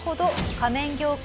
仮面業界。